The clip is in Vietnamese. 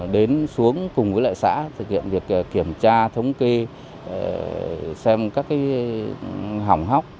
đến xuống cùng với lại xã thực hiện việc kiểm tra thống kê xem các hỏng hóc